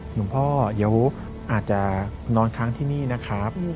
หลวงพ่อเดี๋ยวอาจจะนอนค้างที่นี่นะครับ